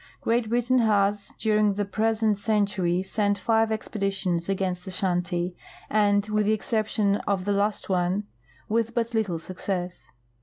Great Britain has during the present cen tury sent Ave expeditions against Ashanti, and, with tlie excep tion of the last one, witli but little success.